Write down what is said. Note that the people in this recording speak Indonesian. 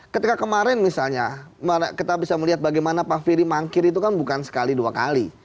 ketika kemarin misalnya kita bisa melihat bagaimana pak firly mangkir itu kan bukan sekali dua kali